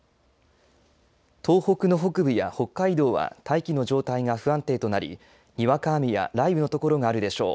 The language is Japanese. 東北の北部や北海道は大気の状態が不安定となりにわか雨や雷雨の所があるでしょう。